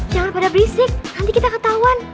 jangan pada berisik nanti kita ketahuan